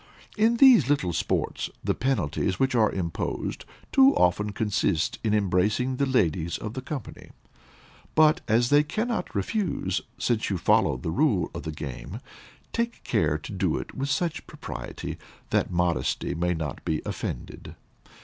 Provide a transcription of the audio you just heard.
In these little sports, the penalties which are imposed, too often consist in embracing the ladies of the company; but as they cannot refuse, since you follow the rule of the game, take care to do it with such propriety, that modesty may not be offended.